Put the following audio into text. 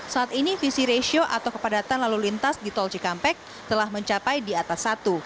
saat ini visi ratio atau kepadatan lalu lintas di tol cikampek telah mencapai di atas satu